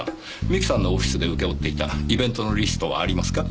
三木さんのオフィスで請け負っていたイベントのリストはありますか？